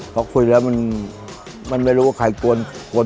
พอคุยแล้วมันไม่รู้ว่าใครกวน